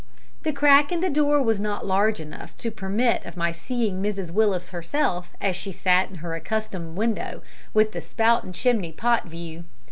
The crack in the door was not large enough to permit of my seeing Mrs Willis herself as she sat in her accustomed window with the spout and chimney pot view.